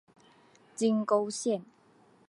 金沟线